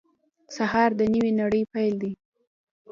سهار د نوې نړۍ پیل دی.